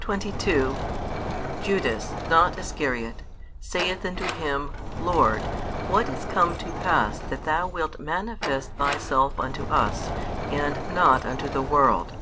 22 Judas (not Iscariot) saith unto Him, Lord, what is come to pass that Thou wilt manifest Thyself unto us, and not unto the world?